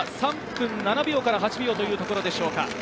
３分７秒から８秒というところでしょうか。